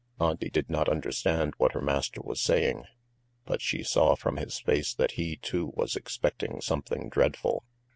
Auntie did not understand what her master was saying, but she saw from his face that he, too, was expecting something dreadful.